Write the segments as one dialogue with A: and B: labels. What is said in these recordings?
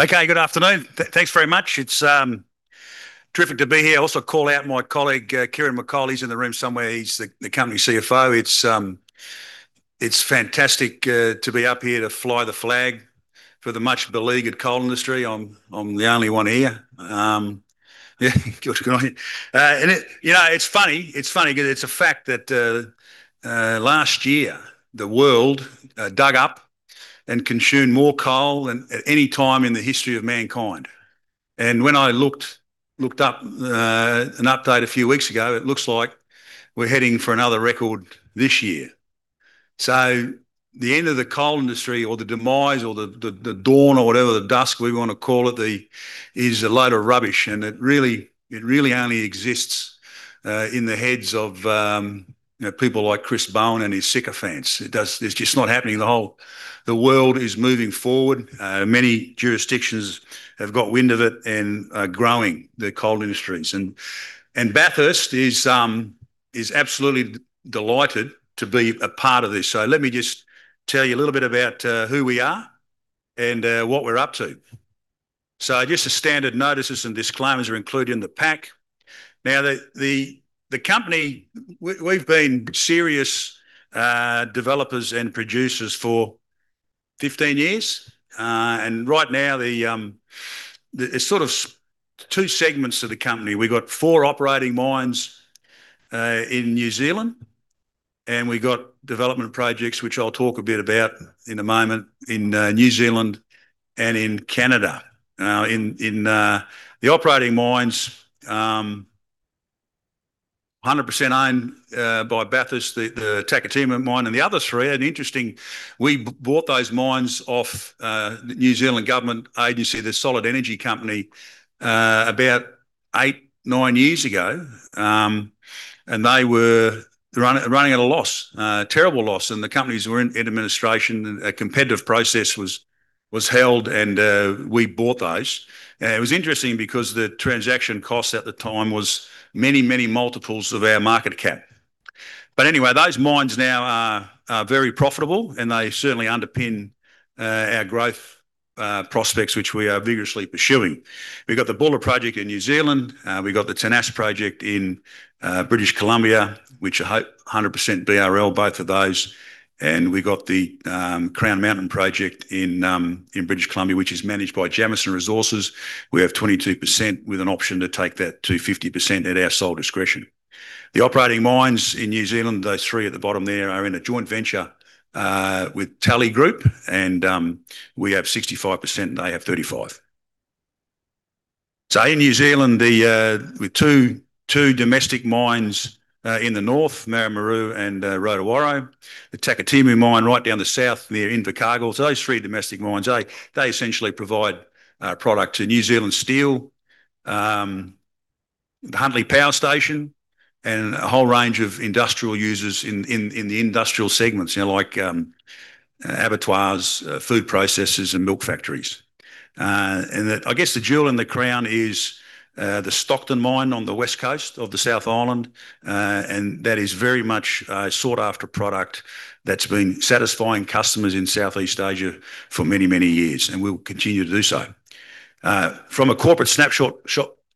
A: Good afternoon. Thanks very much. It's terrific to be here. Also call out my colleague, Kieran McColl. He's in the room somewhere. He's the company CFO. It's fantastic to be up here to fly the flag for the much-beleaguered coal industry. I'm the only one here. Yeah. It's funny because it's a fact that last year, the world dug up and consumed more coal than at any time in the history of mankind. When I looked up an update a few weeks ago, it looks like we're heading for another record this year. The end of the coal industry, or the demise, or the dawn, or whatever, the dusk we want to call it, is a load of rubbish, and it really only exists in the heads of people like Chris Bowen and his sycophants. It's just not happening. The world is moving forward. Many jurisdictions have got wind of it and are growing their coal industries. Bathurst is absolutely delighted to be a part of this. Let me just tell you a little bit about who we are and what we're up to. Just the standard notices and disclaimers are included in the pack. The company, we've been serious developers and producers for 15 years. Right now, there's sort of two segments to the company. We've got four operating mines in New Zealand, and we've got development projects, which I'll talk a bit about in a moment, in New Zealand and in Canada. In the operating mines, 100% owned by Bathurst, the Takitimu mine and the other three. Interesting, we bought those mines off the New Zealand government agency, the Solid Energy company, about eight, nine years ago. They were running at a loss, a terrible loss, and the companies were in administration. A competitive process was held, and we bought those. It was interesting because the transaction cost at the time was many, many multiples of our market cap. Anyway, those mines now are very profitable, and they certainly underpin our growth prospects, which we are vigorously pursuing. We've got the Buller project in New Zealand. We've got the Tenas project in British Columbia, which are 100% BRL, both of those. We've got the Crown Mountain project in British Columbia, which is managed by Jameson Resources. We have 22%, with an option to take that to 50% at our sole discretion. The operating mines in New Zealand, those three at the bottom there, are in a joint venture with Talley's Group, and we have 65%, and they have 35. In New Zealand, with two domestic mines in the north, Maramarua and Rotowaro, the Takitimu mine right down the south near Invercargill. Those three domestic mines, they essentially provide product to New Zealand Steel, the Huntly Power Station, and a whole range of industrial users in the industrial segments, like abattoirs, food processors, and milk factories. I guess the jewel in the crown is the Stockton mine on the west coast of the South Island, and that is very much a sought-after product that's been satisfying customers in Southeast Asia for many, many years, and will continue to do so. From a corporate snapshot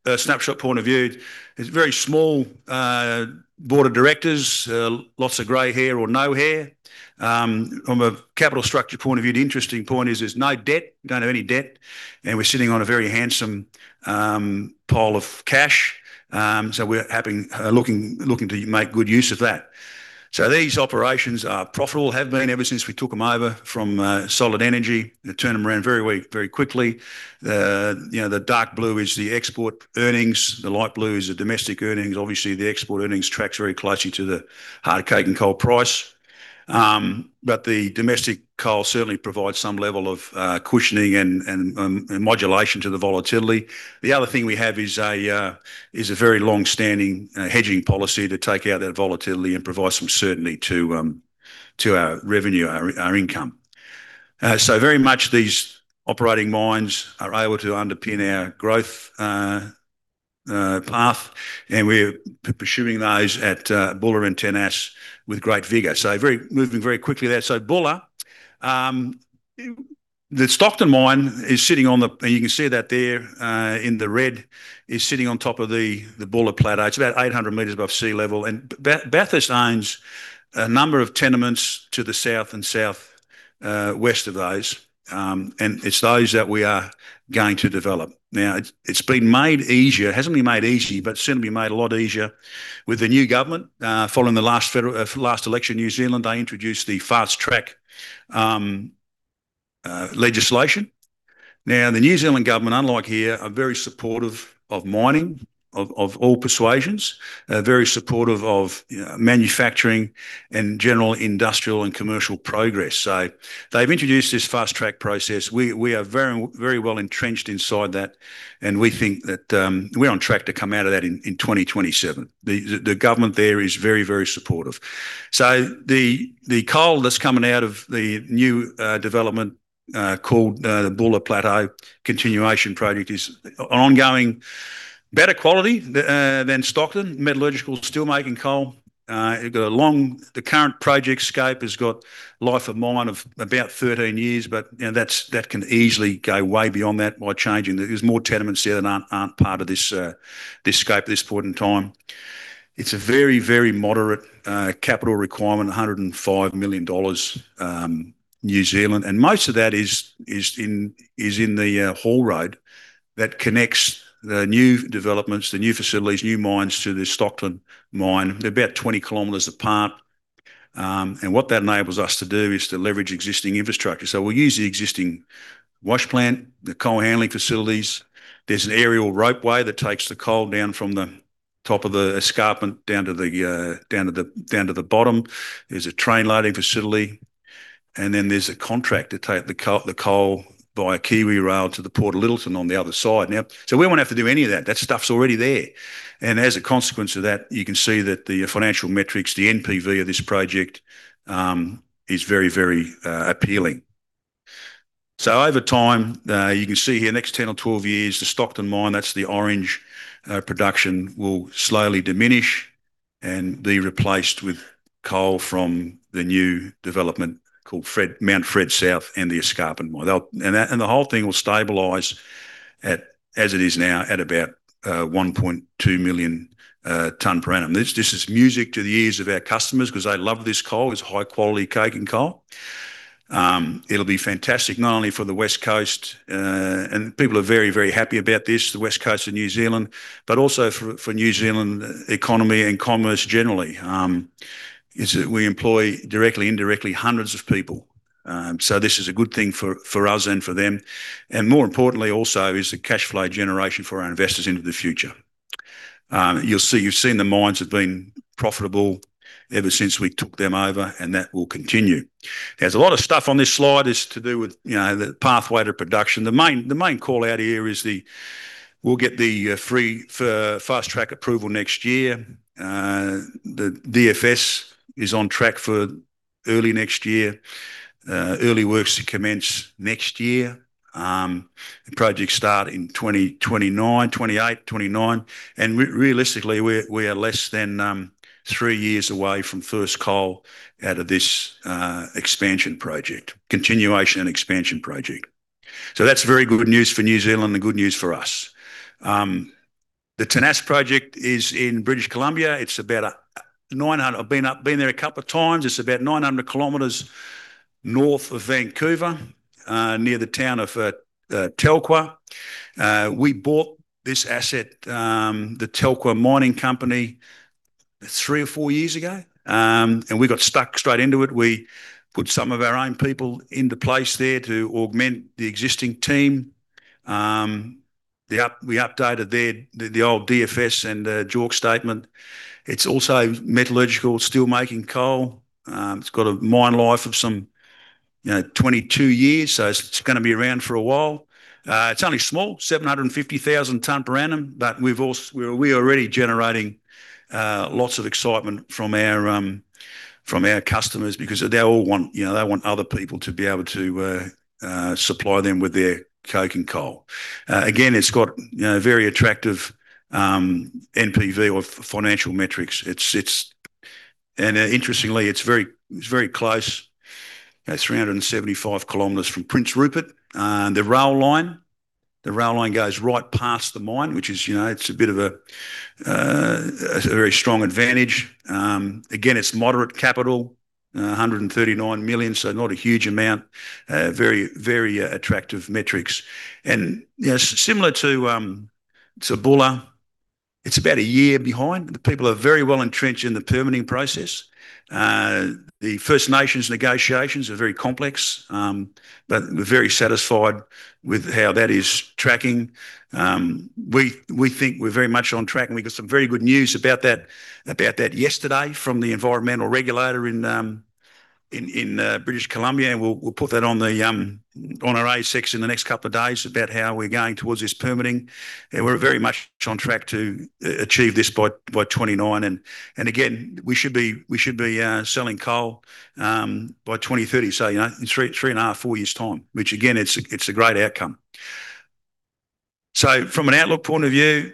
A: point of view, it's a very small board of directors, lots of gray hair or no hair. From a capital structure point of view, the interesting point is there's no debt. We don't have any debt, and we're sitting on a very handsome pile of cash. We're looking to make good use of that. These operations are profitable, have been ever since we took them over from Solid Energy. We turned them around very quickly. The dark blue is the export earnings. The light blue is the domestic earnings. Obviously, the export earnings tracks very closely to the hard coking coal price. The domestic coal certainly provides some level of cushioning and modulation to the volatility. The other thing we have is a very long-standing hedging policy to take out that volatility and provide some certainty to our revenue, our income. Very much, these operating mines are able to underpin our growth path, and we're pursuing those at Buller and Tenas with great vigor. Moving very quickly there. Buller. The Stockton mine, and you can see that there in the red, is sitting on top of the Buller Plateau. It's about 800 m above sea level. Bathurst owns a number of tenements to the south and southwest of those, and it's those that we are going to develop. It's been made easier. It hasn't been made easy, but it's certainly been made a lot easier with the new government. Following the last election in New Zealand, they introduced the Fast-track Legislation. The New Zealand government, unlike here, are very supportive of mining of all persuasions, very supportive of manufacturing and general industrial and commercial progress. They've introduced this Fast-track process. We are very well-entrenched inside that, and we think that we're on track to come out of that in 2027. The government there is very, very supportive. The coal that's coming out of the new development, called the Buller Plateaux Continuation Project, is ongoing Better quality than Stockton. Metallurgical steel making coal. The current project scope has got life of mine of about 13 years, but that can easily go way beyond that by changing. There's more tenements there that aren't part of this scope at this point in time. It's a very, very moderate capital requirement, 105 million New Zealand dollars. Most of that is in the haul road that connects the new developments, the new facilities, new mines to the Stockton mine. They're about 20 km apart. What that enables us to do is to leverage existing infrastructure. We'll use the existing wash plant, the coal handling facilities. There's an aerial ropeway that takes the coal down from the top of the escarpment down to the bottom. There's a train loading facility, then there's a contract to take the coal via KiwiRail to the Port of Lyttelton on the other side. We won't have to do any of that. That stuff's already there. As a consequence of that, you can see that the financial metrics, the NPV of this project, is very, very appealing. Over time, you can see here, next 10 or 12 years, the Stockton mine, that's the orange production, will slowly diminish and be replaced with coal from the new development called Mount Frederick South and the escarpment. The whole thing will stabilize as it is now, at about 1.2 million ton per annum. This is music to the ears of our customers because they love this coal. It's high-quality coking coal. It'll be fantastic not only for the West Coast, and people are very, very happy about this, the West Coast of New Zealand, but also for New Zealand economy and commerce generally. We employ, directly, indirectly, hundreds of people. This is a good thing for us and for them. More importantly, also, is the cash flow generation for our investors into the future. You've seen the mines have been profitable ever since we took them over, and that will continue. There's a lot of stuff on this slide is to do with the pathway to production. The main call-out here is we'll get the free Fast-track Approval next year. The DFS is on track for early next year. Early works to commence next year. The project start in 2029, 2028, 2029. Realistically, we are less than three years away from first coal out of this expansion project, continuation and expansion project. That's very good news for New Zealand and good news for us. The Tenas Project is in British Columbia. I've been there a couple of times. It's about 900 km north of Vancouver, near the town of Telkwa. We bought this asset, the Telkwa Mining Company, three or four years ago. We got stuck straight into it. We put some of our own people into place there to augment the existing team. We updated the old DFS and JORC statement. It's also metallurgical steelmaking coal. It's got a mine life of some 22 years, so it's going to be around for a while. It's only small, 750,000 tons per annum, but we're already generating lots of excitement from our customers because they all want other people to be able to supply them with their coking coal. It's got very attractive NPV or financial metrics. Interestingly, it's very close, 375 km from Prince Rupert. The rail line goes right past the mine, which is a bit of a very strong advantage. It's moderate capital, 139 million, so not a huge amount. Very attractive metrics. Similar to Buller, it's about a year behind, but the people are very well-entrenched in the permitting process. The First Nations negotiations are very complex, but we're very satisfied with how that is tracking. We think we're very much on track. We got some very good news about that yesterday from the environmental regulator in British Columbia. We'll put that on our ASX in the next couple of days about how we're going towards this permitting. We're very much on track to achieve this by 2029. We should be selling coal by 2030, so in three and a half, four years' time, which again, it's a great outcome. From an outlook point of view,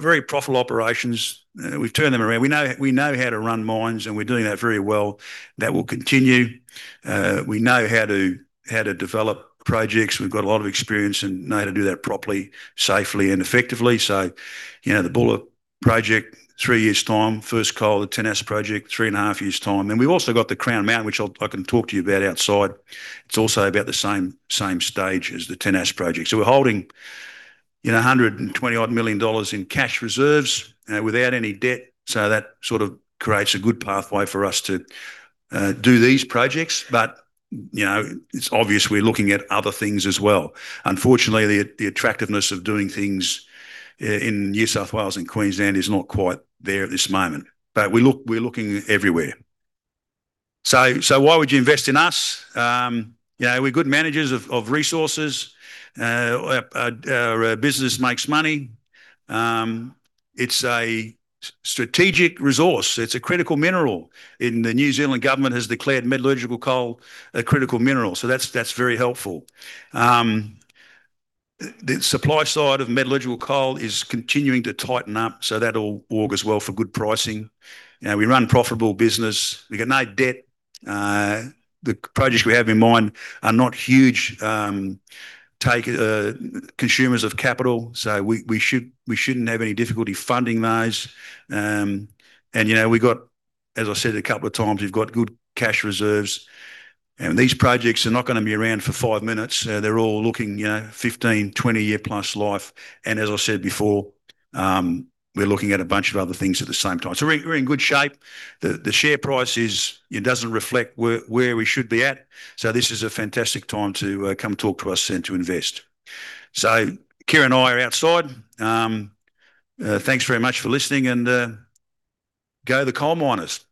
A: very profitable operations. We've turned them around. We know how to run mines, and we're doing that very well. That will continue. We know how to develop projects. We've got a lot of experience and know how to do that properly, safely, and effectively. The Buller Project, three years' time. First coal at Tenas Project, 3.5 years' time. We've also got the Crown Mountain, which I can talk to you about outside. It's also about the same stage as the Tenas Project. We're holding 120-odd million dollars in cash reserves without any debt. That sort of creates a good pathway for us to do these projects. It's obvious we're looking at other things as well. Unfortunately, the attractiveness of doing things in New South Wales and Queensland is not quite there at this moment. We're looking everywhere. Why would you invest in us? We're good managers of resources. Our business makes money. It's a strategic resource. It's a critical mineral. The New Zealand government has declared metallurgical coal a critical mineral, that's very helpful. The supply side of metallurgical coal is continuing to tighten up, that all augurs well for good pricing. We run profitable business. We've got no debt. The projects we have in mind are not huge consumers of capital, so we shouldn't have any difficulty funding those. As I said a couple of times, we've got good cash reserves. These projects are not going to be around for five minutes. They're all looking 15+, 20+ year life. As I said before, we're looking at a bunch of other things at the same time. We're in good shape. The share price, it doesn't reflect where we should be at. This is a fantastic time to come talk to us and to invest. Kieran and I are outside. Thanks very much for listening and go the coal miners. Thank you.